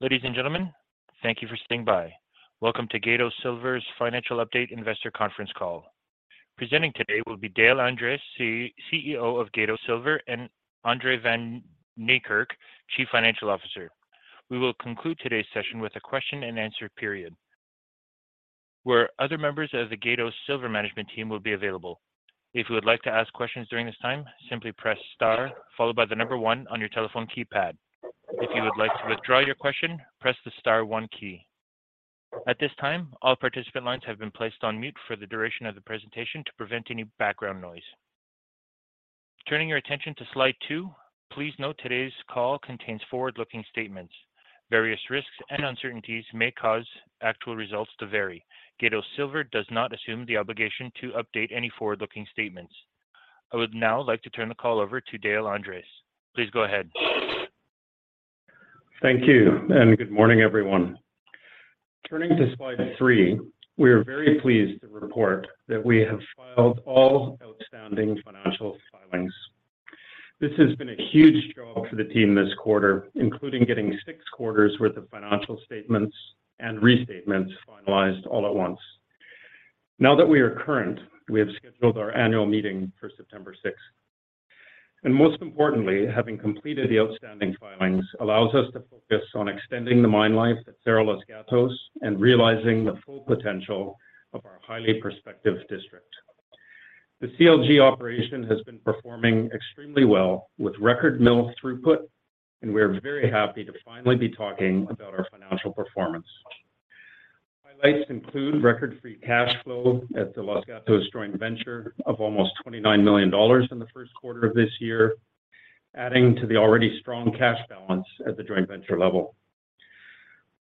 Ladies and gentlemen, thank you for staying by. Welcome to Gatos Silver's Financial Update Investor Conference Call. Presenting today will be Dale Andres, CEO of Gatos Silver, and André van Niekerk, Chief Financial Officer. We will conclude today's session with a question and answer period, where other members of the Gatos Silver management team will be available. If you would like to ask questions during this time, simply press star followed by the number one on your telephone keypad. If you would like to withdraw your question, press the star one key. At this time, all participant lines have been placed on mute for the duration of the presentation to prevent any background noise. Turning your attention to slide two, please note today's call contains forward-looking statements. Various risks and uncertainties may cause actual results to vary. Gatos Silver does not assume the obligation to update any forward-looking statements. I would now like to turn the call over to Dale Andres. Please go ahead. Thank you, and good morning, everyone. Turning to slide 3, we are very pleased to report that we have filed all outstanding financial filings. This has been a huge job for the team this quarter, including getting 6 quarters worth of financial statements and restatements finalized all at once. Now that we are current, we have scheduled our annual meeting for September 6th. Most importantly, having completed the outstanding filings allows us to focus on extending the mine life at Cerro Los Gatos and realizing the full potential of our highly prospective district. The CLG operation has been performing extremely well with record mill throughput, and we are very happy to finally be talking about our financial performance. Highlights include record-free cash flow at the Los Gatos Joint Venture of almost $29 million in the first quarter of this year, adding to the already strong cash balance at the joint venture level.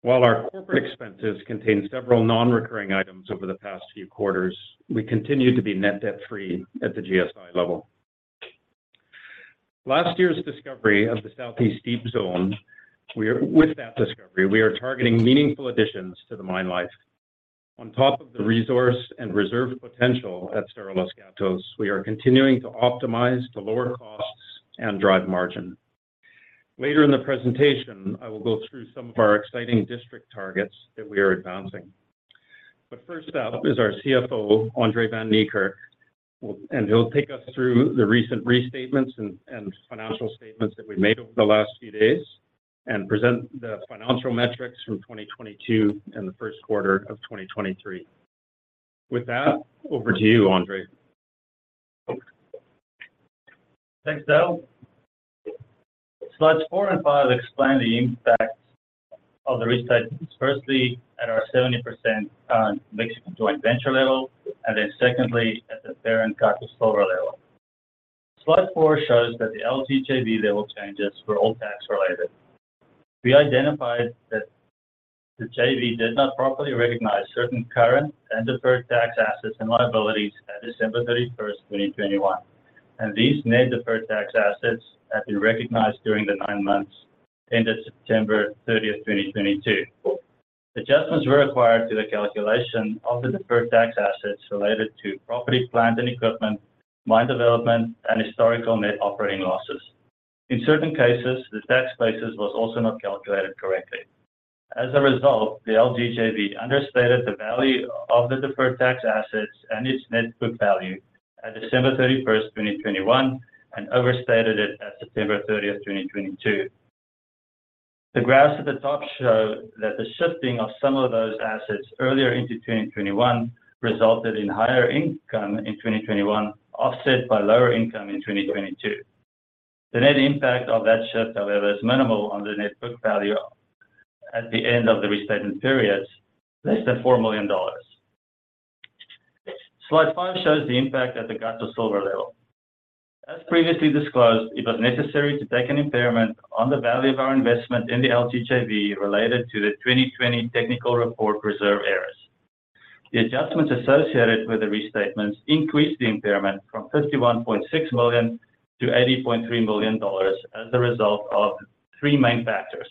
While our corporate expenses contain several non-recurring items over the past few quarters, we continue to be net debt-free at the GSI level. Last year's discovery of the Southeast Deep Zone, With that discovery, we are targeting meaningful additions to the mine life. On top of the resource and reserve potential at Cerro Los Gatos, we are continuing to optimize to lower costs and drive margin. Later in the presentation, I will go through some of our exciting district targets that we are advancing. First up is our CFO, André van Niekerk, and he'll take us through the recent restatements and financial statements that we've made over the last few days and present the financial metrics from 2022 and the first quarter of 2023. With that, over to you, André. Thanks, Dale. Slides 4 and 5 explain the impact of the restatements, firstly, at our 70% Mexican joint venture level, and then secondly, at the parent Gatos Silver level. Slide 4 shows that the LGJV level changes were all tax-related. We identified that the JV did not properly recognize certain current and deferred tax assets and liabilities at December 31st, 2021, and these net deferred tax assets have been recognized during the 9 months ended September 30th, 2022. Adjustments were required to the calculation of the deferred tax assets related to property, plant, and equipment, mine development, and historical net operating losses. In certain cases, the tax basis was also not calculated correctly. As a result, the LGJV understated the value of the deferred tax assets and its net book value at December 31st, 2021, and overstated it at September 30th, 2022. The graphs at the top show that the shifting of some of those assets earlier into 2021 resulted in higher income in 2021, offset by lower income in 2022. The net impact of that shift, however, is minimal on the net book value at the end of the restatement periods, less than $4 million. Slide five shows the impact at the Gatos Silver level. As previously disclosed, it was necessary to take an impairment on the value of our investment in the LGJV related to the 2020 technical report reserve errors. The adjustments associated with the restatements increased the impairment from $51.6 million to $80.3 million as a result of three main factors.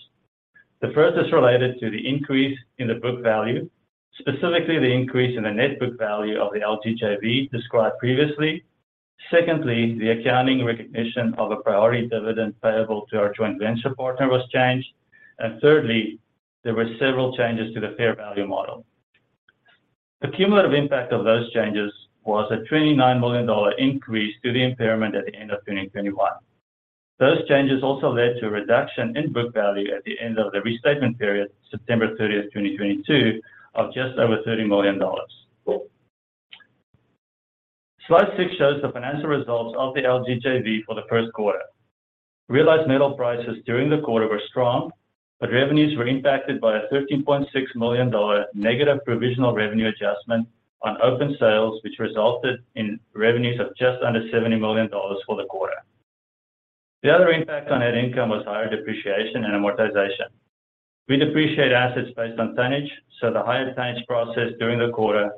The first is related to the increase in the book value, specifically the increase in the net book value of the LGJV described previously. Secondly, the accounting recognition of a priority dividend payable to our joint venture partner was changed, and thirdly, there were several changes to the fair value model. The cumulative impact of those changes was a $29 million increase to the impairment at the end of 2021. Those changes also led to a reduction in book value at the end of the restatement period, September 30th, 2022, of just over $30 million. Slide 6 shows the financial results of the LGJV for the first quarter. Realized metal prices during the quarter were strong, but revenues were impacted by a $13.6 million negative provisional revenue adjustment on open sales, which resulted in revenues of just under $70 million for the quarter. The other impact on net income was higher depreciation and amortization. We depreciate assets based on tonnage, the higher tonnage processed during the quarter,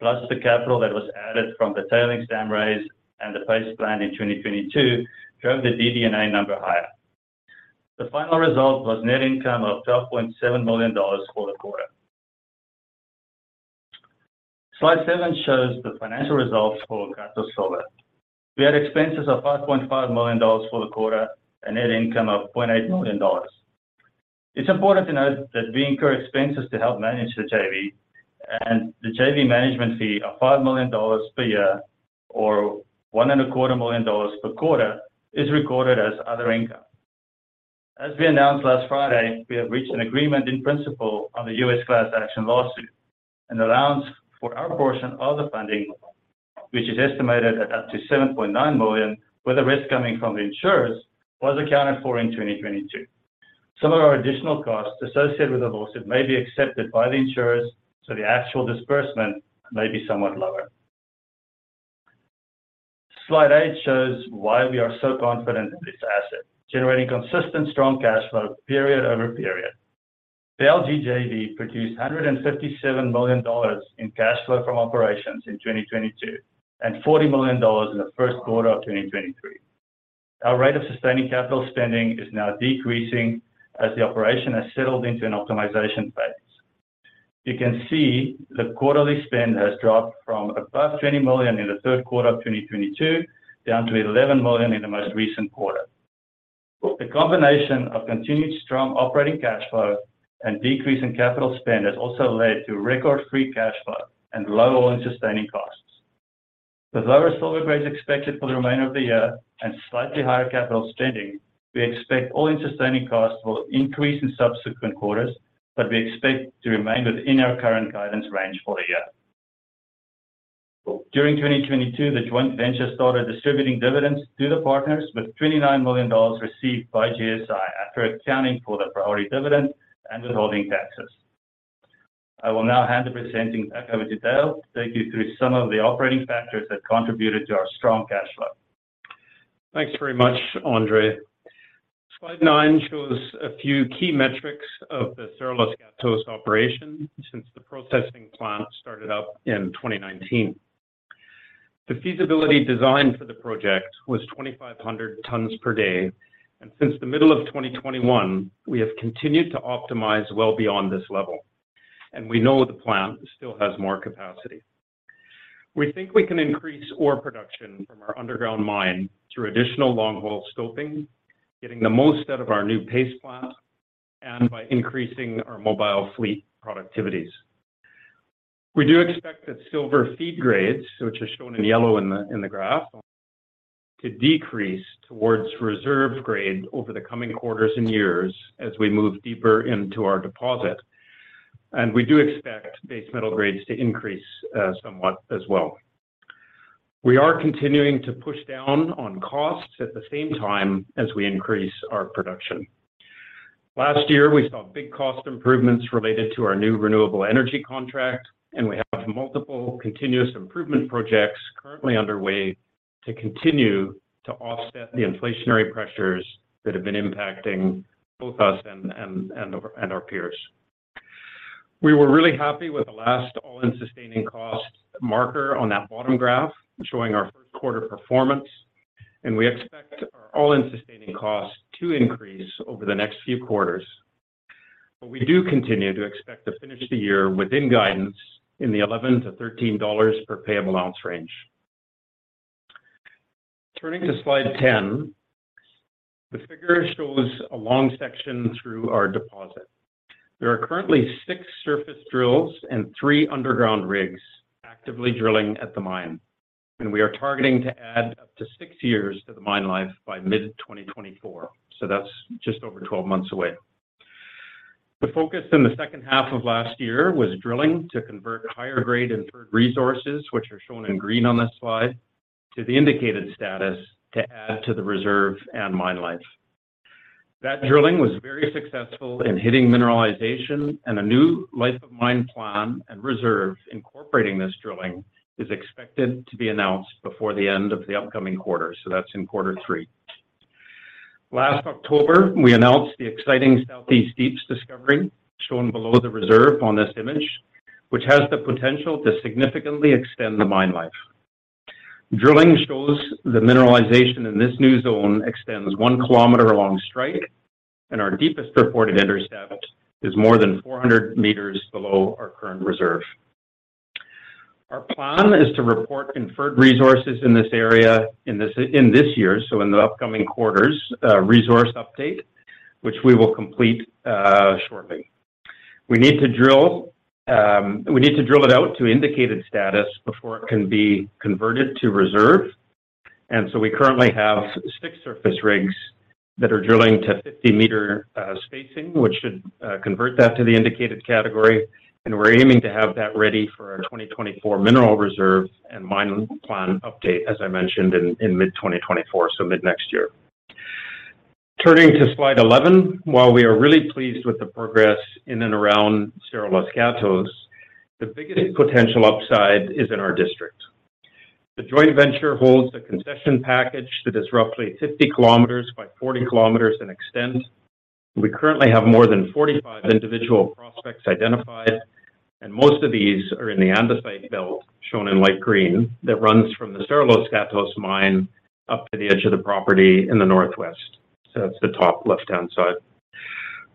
plus the capital that was added from the tailings dam raise and the paste plant in 2022, drove the DD&A number higher. The final result was net income of $12.7 million for the quarter. Slide 7 shows the financial results for Gatos Silver. We had expenses of $5.5 million for the quarter and net income of $0.8 million. It's important to note that we incur expenses to help manage the JV, and the JV management fee of $5 million per year, or one and a quarter million dollars per quarter, is recorded as other income. As we announced last Friday, we have reached an agreement in principle on the U.S. class action lawsuit, and allows for our portion of the funding, which is estimated at up to $7.9 million, with the risk coming from the insurers, was accounted for in 2022. Some of our additional costs associated with the lawsuit may be accepted by the insurers, so the actual disbursement may be somewhat lower. Slide eight shows why we are so confident in this asset, generating consistent, strong cash flow period over period. The LG JV produced $157 million in cash flow from operations in 2022, and $40 million in the first quarter of 2023. Our rate of sustaining capital spending is now decreasing as the operation has settled into an optimization phase. You can see the quarterly spend has dropped from above $20 million in the third quarter of 2022, down to $11 million in the most recent quarter. The combination of continued strong operating cash flow and decrease in capital spend has also led to record free cash flow and low all-in sustaining costs. With lower silver grades expected for the remainder of the year and slightly higher capital spending, we expect all-in sustaining costs will increase in subsequent quarters, but we expect to remain within our current guidance range for the year. During 2022, the joint venture started distributing dividends to the partners, with $29 million received by GSI after accounting for the priority dividend and withholding taxes. I will now hand the presenting back over to Dale to take you through some of the operating factors that contributed to our strong cash flow. Thanks very much, André. Slide 9 shows a few key metrics of the Cerro Los Gatos operation since the processing plant started up in 2019. The feasibility design for the project was 2,500 tons per day. Since the middle of 2021, we have continued to optimize well beyond this level. We know the plant still has more capacity. We think we can increase ore production from our underground mine through additional long-hole stoping, getting the most out of our new paste plant, and by increasing our mobile fleet productivities. We do expect that silver feed grades, which are shown in yellow in the graph, to decrease towards reserve grade over the coming quarters and years as we move deeper into our deposit. We do expect base metal grades to increase somewhat as well. We are continuing to push down on costs at the same time as we increase our production. Last year, we saw big cost improvements related to our new renewable energy contract, and we have multiple continuous improvement projects currently underway to continue to offset the inflationary pressures that have been impacting both us and our peers. We were really happy with the last all-in sustaining cost marker on that bottom graph, showing our first quarter performance, and we expect our all-in sustaining costs to increase over the next few quarters. We do continue to expect to finish the year within guidance in the $11-$13 per payable ounce range. Turning to slide 10, the figure shows a long section through our deposit. There are currently six surface drills and three underground rigs actively drilling at the mine, and we are targeting to add up to six years to the mine life by mid-2024, so that's just over 12 months away. The focus in the second half of last year was drilling to convert higher-grade inferred resources, which are shown in green on this slide, to the indicated status to add to the reserve and mine life. That drilling was very successful in hitting mineralization. A new life of mine plan and reserve incorporating this drilling is expected to be announced before the end of the upcoming quarter, so that's in quarter three. Last October, we announced the exciting Southeast Deeps discovery, shown below the reserve on this image, which has the potential to significantly extend the mine life. Drilling shows the mineralization in this new zone extends 1 kilometer along strike, and our deepest reported intercept is more than 400 meters below our current reserve. Our plan is to report inferred resources in this area in this year, so in the upcoming quarters, resource update, which we will complete shortly. We need to drill it out to indicated status before it can be converted to reserve. We currently have six surface rigs that are drilling to 50-meter spacing, which should convert that to the indicated category. We're aiming to have that ready for our 2024 mineral reserve and mine plan update, as I mentioned in mid-2024, so mid-next year. Turning to slide 11, while we are really pleased with the progress in and around Cerro Los Gatos, the biggest potential upside is in our district. The Los Gatos Joint Venture holds a concession package that is roughly 50 km by 40 km in extent. We currently have more than 45 individual prospects identified, and most of these are in the andesite belt, shown in light green, that runs from the Cerro Los Gatos mine up to the edge of the property in the northwest. That's the top left-hand side.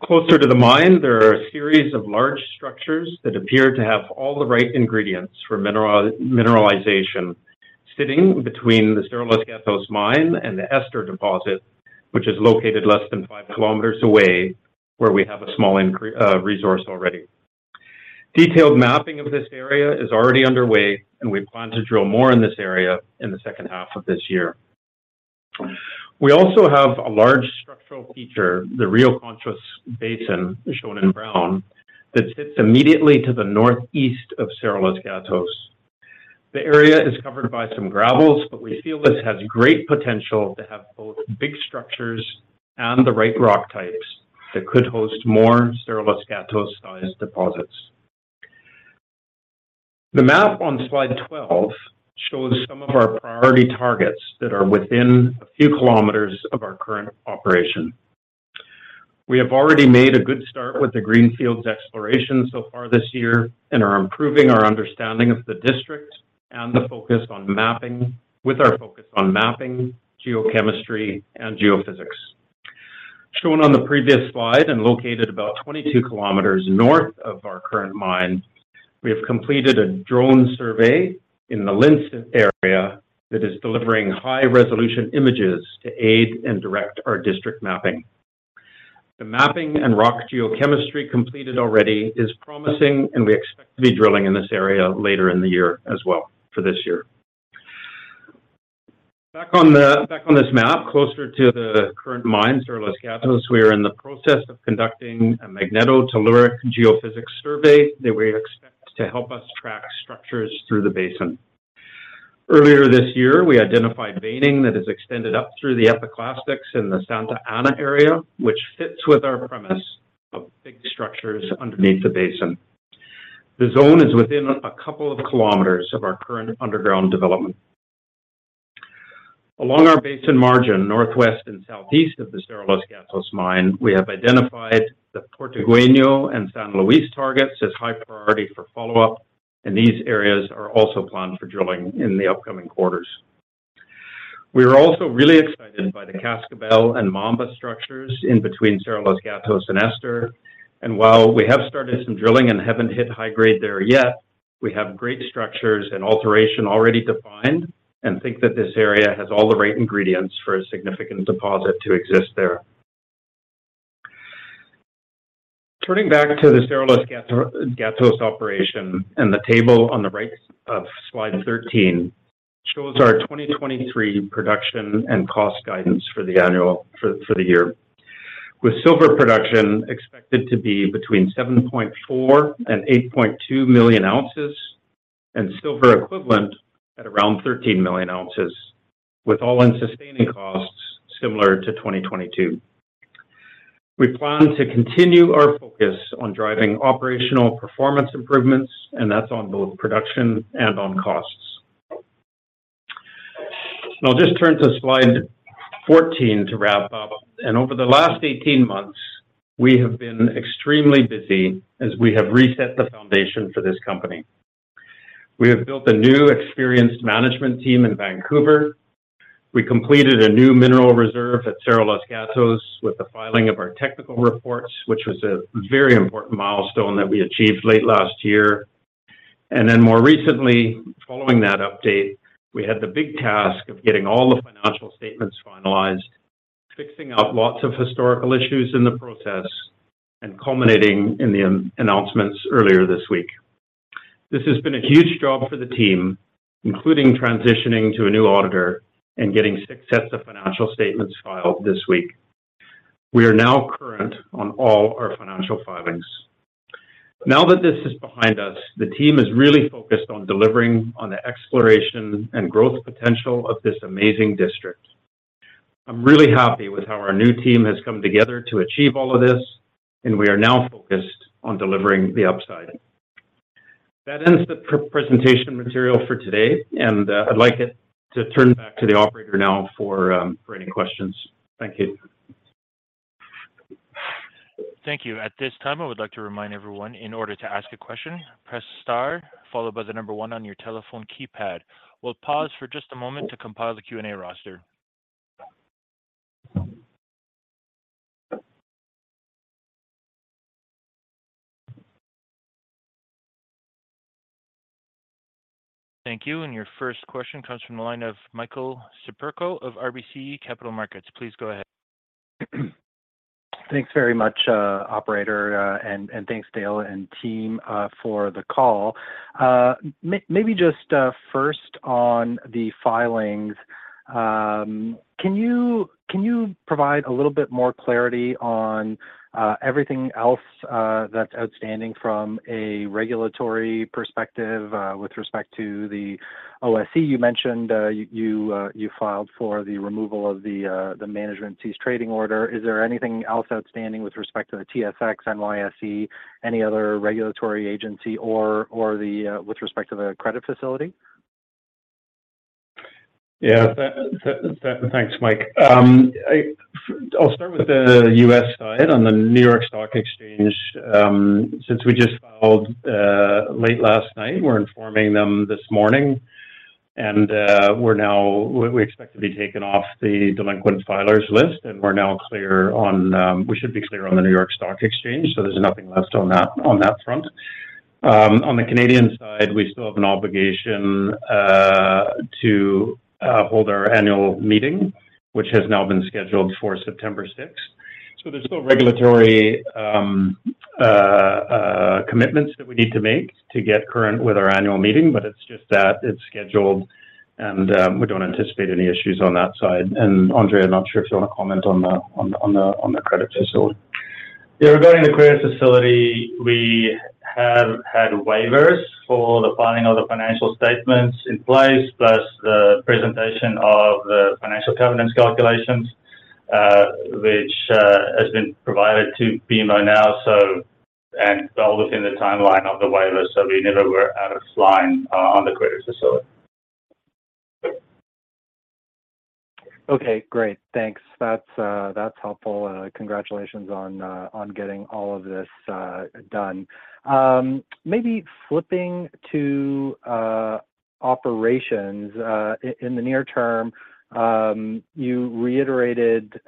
Closer to the mine, there are a series of large structures that appear to have all the right ingredients for mineralization, sitting between the Cerro Los Gatos mine and the Esther deposit, which is located less than 5 km away, where we have a small increase resource already. Detailed mapping of this area is already underway. We plan to drill more in this area in the second half of this year. We also have a large structural feature, the Rio Conchos Basin, shown in brown, that sits immediately to the northeast of Cerro Los Gatos. The area is covered by some gravels. We feel this has great potential to have both big structures and the right rock types that could host more Cerro Los Gatos-sized deposits. The map on slide 12 shows some of our priority targets that are within a few kilometers of our current operation. We have already made a good start with the Greenfields exploration so far this year. Are improving our understanding of the district and with our focus on mapping, geochemistry, and geophysics. Shown on the previous slide and located about 22 kilometers north of our current mine, we have completed a drone survey in the Linderos area that is delivering high-resolution images to aid and direct our district mapping. The mapping and rock geochemistry completed already is promising, and we expect to be drilling in this area later in the year as well, for this year. Back on this map, closer to the current mine, Cerro Los Gatos, we are in the process of conducting a magnetotelluric geophysics survey that we expect to help us track structures through the basin. Earlier this year, we identified veining that is extended up through the epiclastics in the Santa Ana area, which fits with our premise of big structures underneath the basin. The zone is within a couple of kilometers of our current underground development. Along our basin margin, northwest and southeast of the Cerro Los Gatos mine, we have identified the Portigueño and San Luis targets as high priority for follow-up. These areas are also planned for drilling in the upcoming quarters. We are also really excited by the Cascabel and Mamba structures in between Cerro Los Gatos and Esther. While we have started some drilling and haven't hit high grade there yet, we have great structures and alteration already defined, and think that this area has all the right ingredients for a significant deposit to exist there. Turning back to the Cerro Los Gatos operation. The table on the right of slide 13 shows our 2023 production and cost guidance for the year. With silver production expected to be between 7.4 and 8.2 million ounces, and silver equivalent at around 13 million ounces, with all-in sustaining costs similar to 2022. We plan to continue our focus on driving operational performance improvements, that's on both production and on costs. I'll just turn to slide 14 to wrap up. Over the last 18 months, we have been extremely busy as we have reset the foundation for this company. We have built a new, experienced management team in Vancouver. We completed a new mineral reserve at Cerro Los Gatos with the filing of our technical reports, which was a very important milestone that we achieved late last year. More recently, following that update, we had the big task of getting all the financial statements finalized, fixing up lots of historical issues in the process, and culminating in the announcements earlier this week. This has been a huge job for the team, including transitioning to a new auditor and getting six sets of financial statements filed this week. We are now current on all our financial filings. Now that this is behind us, the team is really focused on delivering on the exploration and growth potential of this amazing district. I'm really happy with how our new team has come together to achieve all of this, and we are now focused on delivering the upside. That ends the presentation material for today, and I'd like it to turn back to the operator now for any questions. Thank you. Thank you. At this time, I would like to remind everyone, in order to ask a question, press star followed by the number one on your telephone keypad. We'll pause for just a moment to compile the Q&A roster. Thank you. Your first question comes from the line of Michael Siperco of RBC Capital Markets. Please go ahead. Thanks very much, operator, and thanks, Dale and team, for the call. Maybe just, first on the filings, can you provide a little bit more clarity on, everything else, that's outstanding from a regulatory perspective, with respect to the OSC? You mentioned, you filed for the removal of the management cease trading order. Is there anything else outstanding with respect to the TSX, NYSE, any other regulatory agency or the, with respect to the credit facility? Yeah. Thanks, Mike. I'll start with the U.S. side on the New York Stock Exchange. Since we just filed late last night, we're informing them this morning. We expect to be taken off the delinquent filers list, and we should be clear on the New York Stock Exchange. There's nothing left on that front. On the Canadian side, we still have an obligation to hold our annual meeting, which has now been scheduled for September sixth. There's still regulatory commitments that we need to make to get current with our annual meeting. It's just that it's scheduled and we don't anticipate any issues on that side. André, I'm not sure if you want to comment on the credit facility. Yeah, regarding the credit facility, we have had waivers for the filing of the financial statements in place, plus the presentation of the financial covenants calculations, which has been provided to BMO now, and all within the timeline of the waiver. We never were out of line on the credit facility. Okay, great. Thanks. That's helpful. Congratulations on getting all of this done. Maybe flipping to operations, in the near term, you reiterated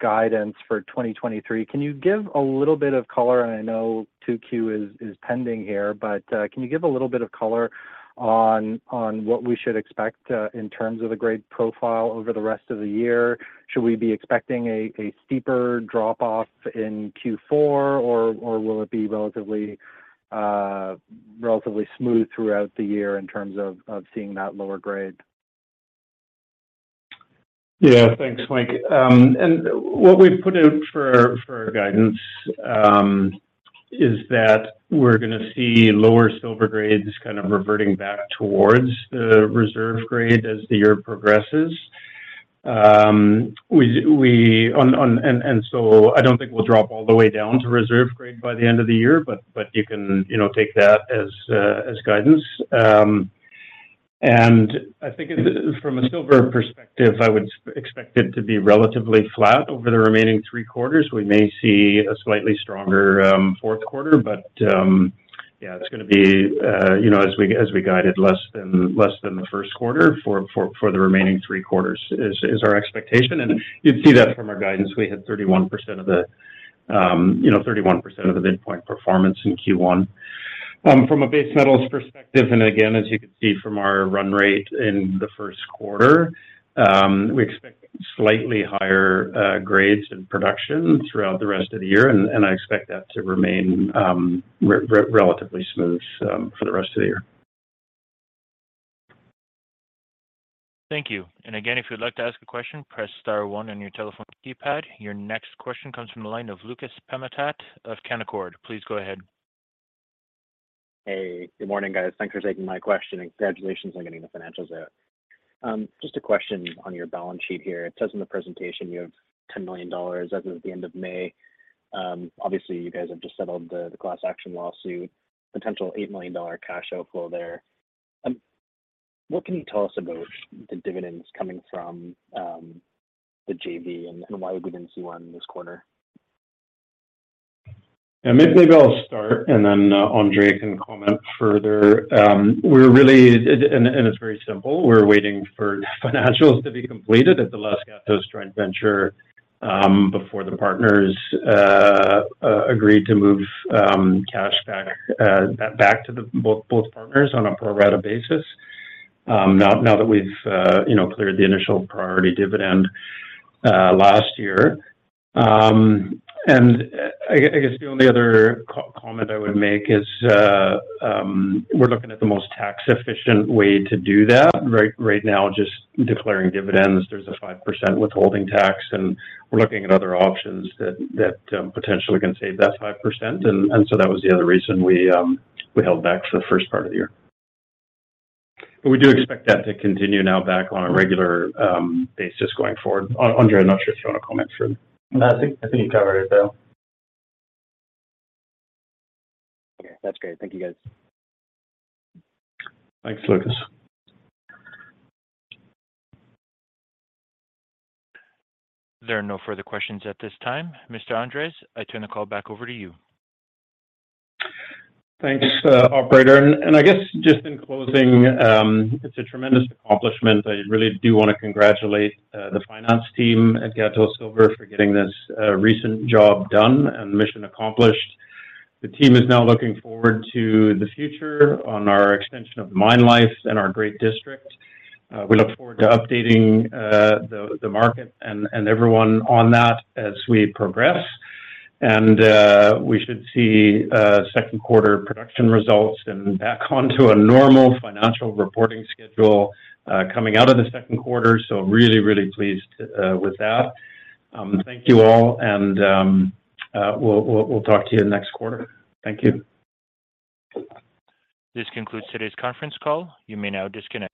guidance for 2023. Can you give a little bit of color, and I know 2Q is pending here, can you give a little bit of color on what we should expect in terms of the grade profile over the rest of the year? Should we be expecting a steeper drop-off in Q4, or will it be relatively smooth throughout the year in terms of seeing that lower grade? Yeah, thanks, Mike. What we've put out for our guidance is that we're going to see lower silver grades kind of reverting back towards the reserve grade as the year progresses. I don't think we'll drop all the way down to reserve grade by the end of the year, but you can, you know, take that as guidance. I think from a silver perspective, I would expect it to be relatively flat over the remaining three quarters. We may see a slightly stronger fourth quarter, but, yeah, it's going to be, you know, as we guided, less than the first quarter for the remaining three quarters, is our expectation. You'd see that from our guidance. We had 31% of the, you know, 31% of the midpoint performance in Q1. From a base metals perspective, and again, as you can see from our run rate in the first quarter, we expect slightly higher, grades in production throughout the rest of the year, and I expect that to remain, relatively smooth, for the rest of the year. Thank you. Again, if you'd like to ask a question, press star one on your telephone keypad. Your next question comes from the line of Lucas Pamatat of Canaccord. Please go ahead. Hey, good morning, guys. Thanks for taking my question. Congratulations on getting the financials out. Just a question on your balance sheet here. It says in the presentation, you have $10 million as of the end of May. Obviously, you guys have just settled the class action lawsuit, potential $8 million cash outflow there. What can you tell us about the dividends coming from the JV, and why we didn't see one this quarter? Yeah, maybe I'll start, and then André van Niekerk can comment further. We're really, and it's very simple. We're waiting for financials to be completed at the Los Gatos Joint Venture, before the partners agree to move cash back to the both partners on a pro rata basis. Now that we've, you know, cleared the initial priority dividend last year. I guess the only other co-comment I would make is we're looking at the most tax-efficient way to do that. Right now, just declaring dividends, there's a 5% withholding tax, and we're looking at other options that potentially can save that 5%. So that was the other reason we held back for the first part of the year. We do expect that to continue now back on a regular basis going forward. André, I'm not sure if you want to comment further. No, I think you covered it, Dale. Okay, that's great. Thank you, guys. Thanks, Lucas. There are no further questions at this time. Mr. Andres, I turn the call back over to you. Thanks, operator. I guess just in closing, it's a tremendous accomplishment. I really do want to congratulate the finance team at Gatos Silver for getting this recent job done, and mission accomplished. The team is now looking forward to the future on our extension of mine life and our great district. We look forward to updating the market and everyone on that as we progress. We should see second quarter production results and back onto a normal financial reporting schedule coming out of the second quarter. Really, really pleased with that. Thank you all, and we'll talk to you next quarter. Thank you. This concludes today's conference call. You may now disconnect.